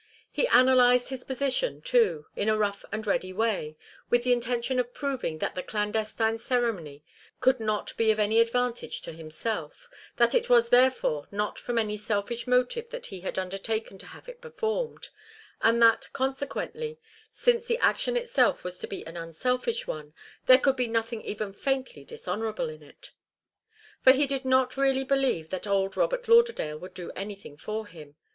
He analyzed his position, too, in a rough and ready way, with the intention of proving that the clandestine ceremony could not be of any advantage to himself, that it was therefore not from any selfish motive that he had undertaken to have it performed, and that, consequently, since the action itself was to be an unselfish one, there could be nothing even faintly dishonourable in it. For he did not really believe that old Robert Lauderdale would do anything for him.